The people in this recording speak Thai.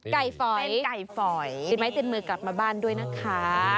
ฝอยเป็นไก่ฝอยติดไม้ติดมือกลับมาบ้านด้วยนะคะ